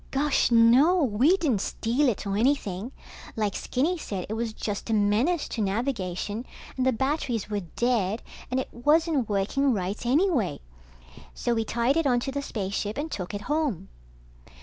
Gosh no, we didn't steal it or anything. Like Skinny said, it was just a menace to navigation, and the batteries were dead, and it wasn't working right anyway. So we tied it onto the spaceship and took it home.